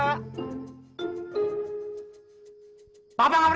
kau bawa baju baju papa yang dilondri